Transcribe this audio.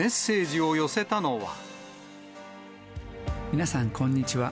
皆さん、こんにちは。